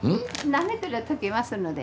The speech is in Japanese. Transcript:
なめたら溶けますので。